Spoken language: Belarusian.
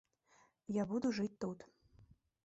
Я буду жыць тут.